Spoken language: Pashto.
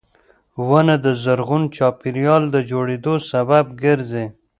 • ونه د زرغون چاپېریال د جوړېدو سبب ګرځي.